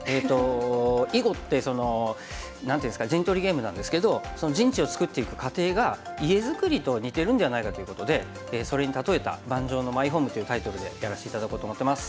囲碁って何て言うんですか陣取りゲームなんですけどその陣地を作っていく過程が家づくりと似てるんではないかということでそれに例えた「盤上のマイホーム」というタイトルでやらせて頂こうと思ってます。